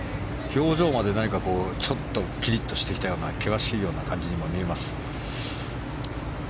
表情までちょっとキリッとしてきたような険しいような感じにも見えます。